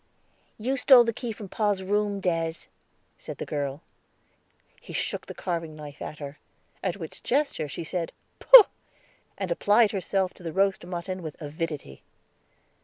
"You stole the key from pa's room, Des," said the girl. He shook the carving knife at her, at which gesture she said "Pooh!" and applied herself to the roast mutton with avidity.